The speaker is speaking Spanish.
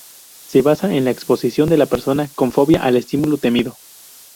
Se basa en la exposición de la persona con fobia al estímulo temido.